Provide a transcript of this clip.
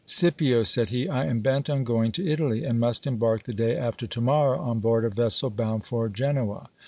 Scipio, said he, I am bent on going to Italy, and must embark the day after to morrow on board a vessel bound for Genoa.